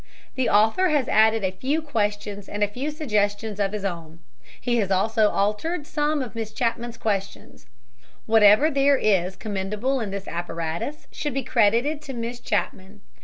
The author has added a few questions and a few suggestions of his own. He has also altered some of Miss Chapman's questions. Whatever there is commendable in this apparatus should be credited to Miss Chapman.